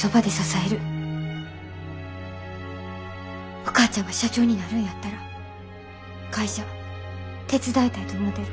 お母ちゃんが社長になるんやったら会社手伝いたいと思てる。